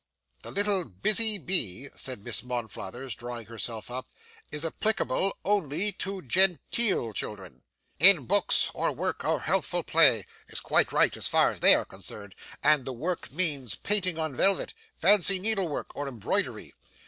'The little busy bee,' said Miss Monflathers, drawing herself up, 'is applicable only to genteel children. "In books, or work, or healthful play" is quite right as far as they are concerned; and the work means painting on velvet, fancy needle work, or embroidery.